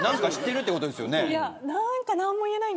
何か知ってるってことですよね。